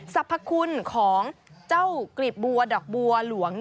สรรพคุณของเจ้ากรีบบัวดอกบัวหลวง